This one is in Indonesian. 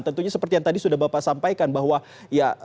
tentunya seperti yang tadi sudah bapak sampaikan bahwa ya